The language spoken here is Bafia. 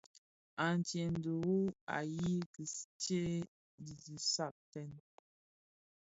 Antseyèn dirun nyi ki tsee dhi saaten.